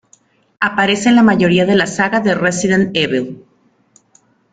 Aparece en la mayoría de la saga Resident Evil.